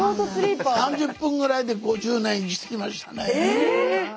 ３０分ぐらいで５０年生きてきましたね。